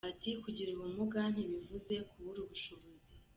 Ati “Kugira ubumuga ntibivuze kubura ubushobozi.